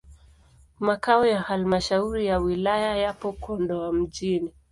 Makao ya halmashauri ya wilaya yapo Kondoa mjini.